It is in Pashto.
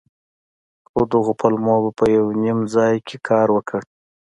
خو دغو پلمو به په يو نيم ځاى کښې کار وکړ.